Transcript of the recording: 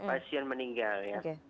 pasien meninggal ya